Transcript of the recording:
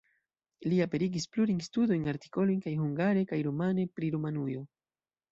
Li aperigis plurajn studojn, artikolojn kaj hungare kaj rumane pri Rumanujo.